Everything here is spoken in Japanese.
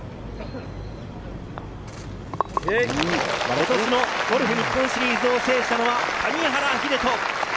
今年のゴルフ日本シリーズを制したのは谷原秀人。